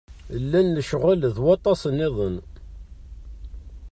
Llan lecɣal d waṭas-nniḍen.